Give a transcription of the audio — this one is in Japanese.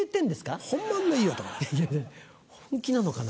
本気なのかな。